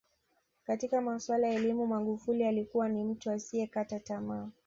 Katika masuala ya elimu Magufuli alikuwa ni mtu asiyekata tamaa